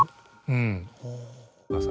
うん。